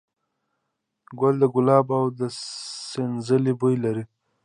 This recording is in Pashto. ګل د ګلاب او د سنځلې بوی لري.